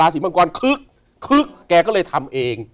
ราศรีมังกรล้าศรีมังกรคึ็กแกก็เลยทำเอง